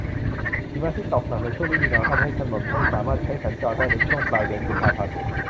หิมะที่ตกหนักในช่วงฤดูหนาวทำให้ถนนไม่สามารถใช้สัญจรได้ในช่วงปลายเดือนกุมภาพันธ์